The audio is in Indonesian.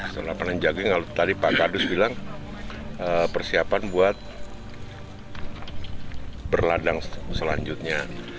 setelah panen jagung tadi pak kadus bilang persiapan buat berladang selanjutnya